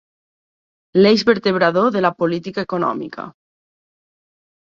L'eix vertebrador de la política econòmica.